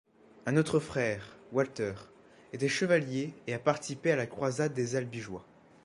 Un autre frère, Walter, était chevalier et a participé à la croisade des Albigeois.